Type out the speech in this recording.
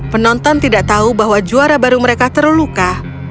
penonton tidak tahu bahwa juara baru mereka terluka